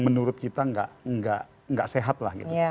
menurut kita nggak nggak nggak sehat lah